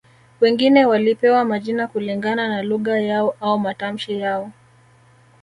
Wengine walipewa majina kulingana na lugha yao au matamshi yao